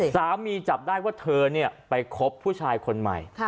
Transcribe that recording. จับได้ว่าเธอไปคบผู้ชายคนใหม่